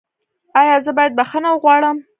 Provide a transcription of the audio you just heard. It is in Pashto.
ایا زه باید بخښنه وغواړم؟